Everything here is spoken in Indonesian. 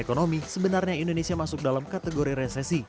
dan kemudian indonesia masuk dalam kategori resesi